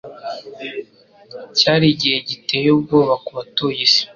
Cyari igihe giteye ubwoba ku batuye isi.